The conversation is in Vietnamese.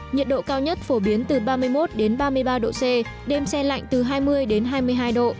nhiệt độ cao nhất phổ biến từ ba mươi một đến ba mươi ba độ c đêm xe lạnh từ hai mươi đến hai mươi hai độ